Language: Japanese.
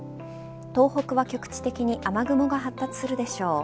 東北は局地的に雨雲が発達するでしょう。